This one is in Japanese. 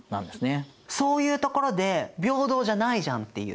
そういうところで平等じゃないじゃんっていう。